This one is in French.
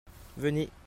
venez.